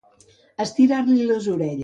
Estirar-li les orelles.